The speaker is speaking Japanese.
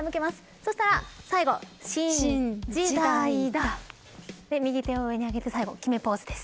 そしたら新時代だ、で右手を上に上げて決めポーズです。